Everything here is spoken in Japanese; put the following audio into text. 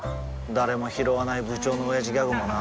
誰もひろわない部長のオヤジギャグもな